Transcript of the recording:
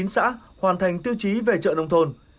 một trăm linh chín xã hoàn thành tiêu chí về trợ nông thôn